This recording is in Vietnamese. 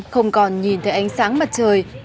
không còn nhìn thấy ánh sáng mặt trời